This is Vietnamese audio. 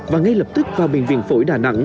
và ngay lập tức vào bệnh viện phổi đà nẵng